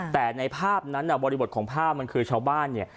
แต่ในภาพนั้นบริบทของภาพถือชาวบ้าน